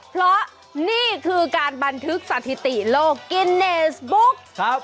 เพราะนี่คือการบันทึกสถิติโลกกินเนสบุ๊ก